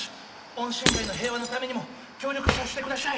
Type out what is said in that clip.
温泉街の平和のためにも協力しゃしてくだしゃい。